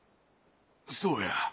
・そうや。